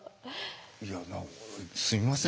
いやすみません。